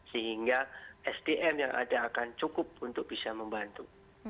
sehingga sdm yang ada akan cukup untuk bisa membantu